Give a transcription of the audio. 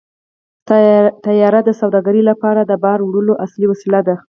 طیاره د سوداګرۍ لپاره د بار وړلو اصلي وسیله ده.